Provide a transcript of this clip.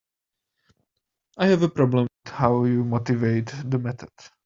I have a problem with how you motivate the method.